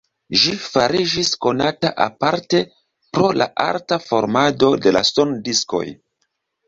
Ĝi fariĝis konata aparte pro la arta formado de la sondiskoj.